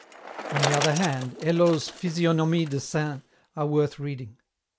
On the other hand, Hello's " Physionomies de Saints " are worth reading.